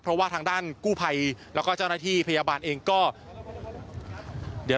เพราะว่าทางด้านกู้ภัยแล้วก็เจ้าหน้าที่พยาบาลเองก็เดี๋ยว